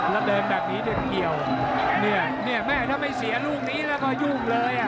แล้วเดินแบบนี้เนี่ยเกี่ยวเนี่ยแม่ถ้าไม่เสียลูกนี้แล้วก็ยุ่งเลยอ่ะ